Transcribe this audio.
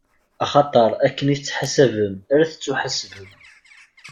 Axaṭer akken i tettḥasabem ara tettuḥasbem.